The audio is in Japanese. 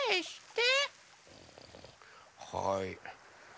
はい。